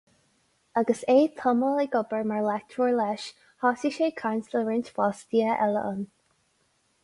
Agus é tamall ag obair mar leictreoir leis, thosaigh sé ag caint le roinnt fostaithe eile ann.